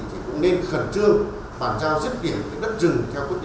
thì cũng nên khẩn trương bàn giao giúp điểm đất rừng